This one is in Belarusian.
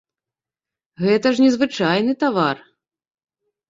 Гэта ж не звычайны тавар.